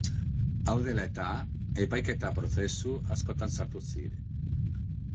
Hau dela-eta, epaiketa-prozesu askotan sartu ziren.